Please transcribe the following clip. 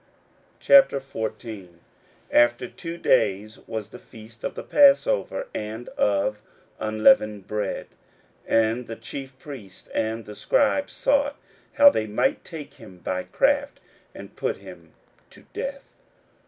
41:014:001 After two days was the feast of the passover, and of unleavened bread: and the chief priests and the scribes sought how they might take him by craft, and put him to death.